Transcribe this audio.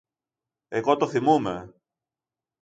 Εγώ το θυμούμαι!